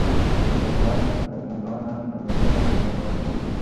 څرګند، څرګندونه، څرګندوی، څرګندونې